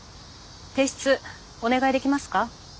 提出お願いできますか？